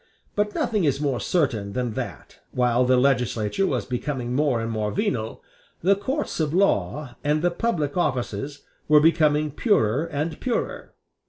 But nothing is more certain than that, while the legislature was becoming more and more venal, the courts of law and the public offices were becoming purer and purer.